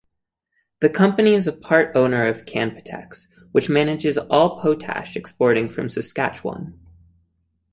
The company is a part-owner of Canpotex, which manages all potash exporting from Saskatchewan.